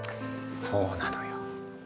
そうなのよ。